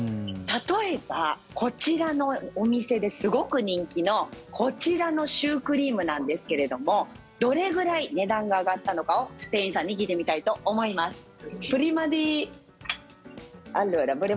例えば、こちらのお店ですごく人気のこちらのシュークリームなんですけれどもどれぐらい値段が上がったのかを店員さんに聞いてみたいと思います。